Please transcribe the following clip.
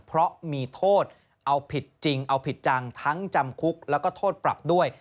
เพราะมีโทษเอาผิดจริงเอาผิดจังทั้งจำคุกแล้วก็โทษปรับด้วย